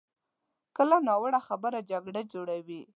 کله ناوړه خبره جګړه جوړوي.